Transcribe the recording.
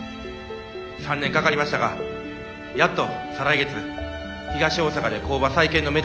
３年かかりましたがやっと再来月東大阪で工場再建のめどが立ちました。